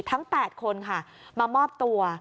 ทั้ง๘คนค่ะมามอบตัว